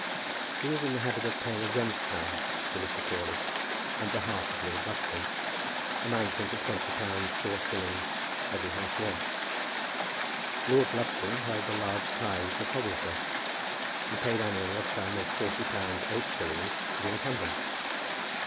He was in the habit of paying a rentcharge to Mr. Crawley on behalf of Lord Lufton, amounting to twenty pounds four shillings, every half year. Lord Lufton held the large tithes of Hogglestock, and paid annually a sum of forty pounds eight shillings to the incumbent.